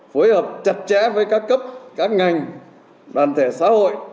phối hợp chặt chẽ với các cấp các ngành đoàn thể xã hội